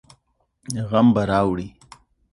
غم به راوړي.